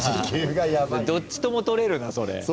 どっちともとれるなそれ。